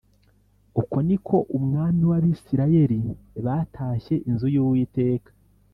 Uko ni ko umwami n’Abisirayeli batashye inzu y’Uwiteka